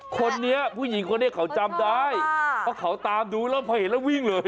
คนนี้ผู้หญิงคนนี้เขาจำได้เพราะเขาตามดูแล้วพอเห็นแล้ววิ่งเลย